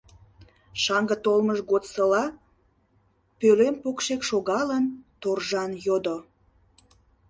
— шаҥге толмыж годсыла пӧлем покшек шогалын, торжан йодо.